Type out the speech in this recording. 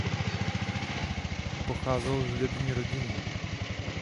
Pocházel z hudební rodiny.